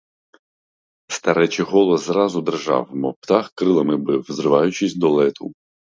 Старечий голос зразу дрижав, мов птах крилами бив, зриваючись до лету.